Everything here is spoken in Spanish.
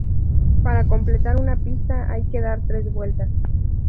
Para completar una pista hay que dar tres vueltas.